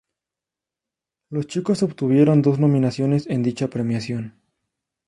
Los chicos obtuvieron dos nominaciones en dicha premiación.